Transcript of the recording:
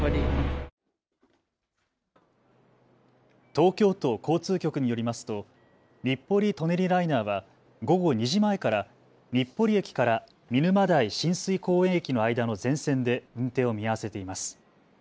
東京都交通局によりますと日暮里・舎人ライナーは午後２時前から日暮里駅から見沼代親水公園駅の間の全線で運転を見合わせています。